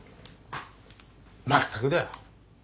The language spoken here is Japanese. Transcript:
まったくだ。